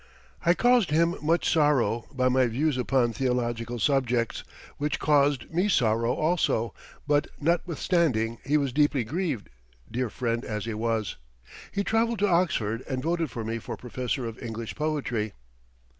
I caused him much sorrow by my views upon theological subjects, which caused me sorrow also, but notwithstanding he was deeply grieved, dear friend as he was, he traveled to Oxford and voted for me for Professor of English Poetry."